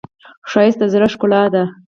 ښایست د زړه ښکلا ده